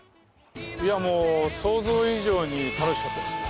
いやもう想像以上に楽しかったですね。